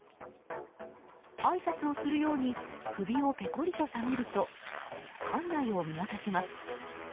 あいさつをするように首をぺこりと下げると館内を見渡します。